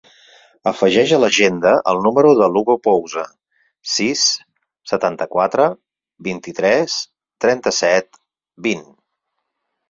Afegeix a l'agenda el número de l'Hugo Pousa: sis, setanta-quatre, vint-i-tres, trenta-set, vint.